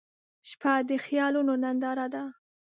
• شپه د خیالونو ننداره ده.